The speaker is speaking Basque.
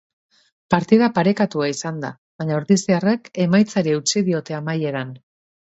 Partida parekatua izan da baina ordiziarrek emaitzari eutsi diote amaieran.